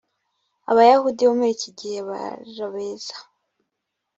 abayahudi bo muri iki gihe barbeza